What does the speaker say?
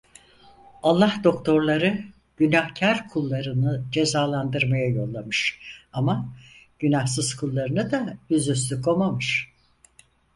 Allah doktorları günahkar kullarını cezalandırmaya yollamış, ama günahsız kullarını da yüzüstü komamış!